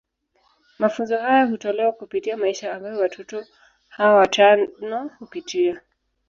Mafunzo haya hutolewa kupitia maisha ambayo watoto hawa watano hupitia.